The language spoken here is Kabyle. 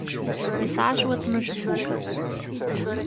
Yesɛa cwiṭ n ucebbub.